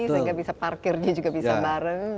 sehingga bisa parkirnya juga bisa bareng